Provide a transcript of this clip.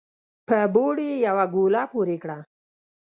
په بوړ يې يوه ګوله پورې کړه